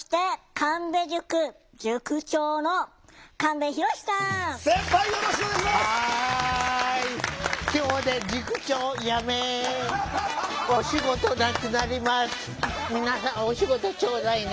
皆さんお仕事ちょうだいね。